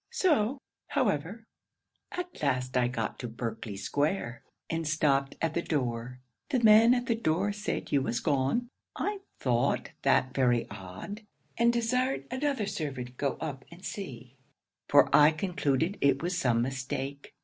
] 'So, however, at last I got to Berkley square, and stopped at the door. The man at the door said you was gone. I thought that very odd, and desired another servant go up and see, for I concluded it was some mistake.